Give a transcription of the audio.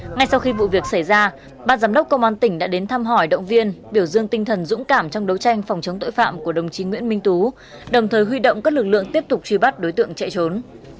ngay sau khi vụ việc xảy ra ban giám đốc công an tỉnh đã đến thăm hỏi động viên biểu dương tinh thần dũng cảm trong đấu tranh phòng chống tội phạm của đồng chí nguyễn minh tú đồng thời huy động các lực lượng tiếp tục truy bắt đối tượng chạy trốn